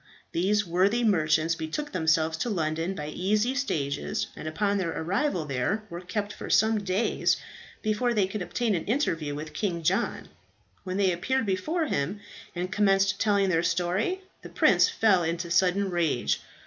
These worthy merchants betook themselves to London by easy stages, and upon their arrival there were kept for some days before they could obtain an interview with King John. When they appeared before him and commenced telling their story, the prince fell into sudden rage.